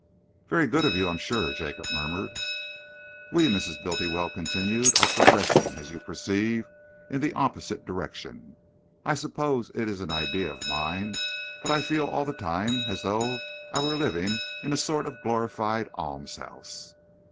"Very good of you, I'm sure," Jacob murmured. "We," Mrs. Bultiwell continued, "are progressing, as you perceive, in the opposite direction. I suppose it is an idea of mine, but I feel all the time as though I were living in a sort of glorified almshouse."